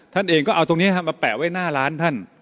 ท่านเองก็เอาตรงนี้มาแปะไว้หน้าร้านท่าน